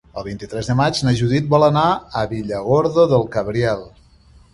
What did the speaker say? El vint-i-tres de maig na Judit vol anar a Villargordo del Cabriel.